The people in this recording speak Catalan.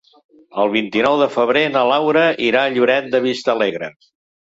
El vint-i-nou de febrer na Laura irà a Lloret de Vistalegre.